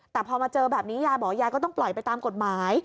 แต่พอมาเจอแบบนี้ยายบอกยายก็ต้องปล่อยไปตามกฎหมาย